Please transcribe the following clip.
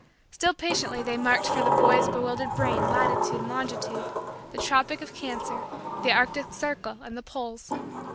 Still patiently they marked for the boy's bewildered brain latitude and longitude, the tropic of cancer, the arctic circle, and the poles.